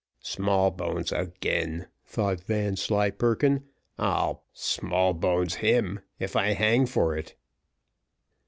"Smallbones again," thought Vanslyperken. "I'll Smallbones him, if I hang for it."